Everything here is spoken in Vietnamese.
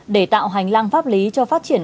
để tạo hành lang pháp lý cho phát triển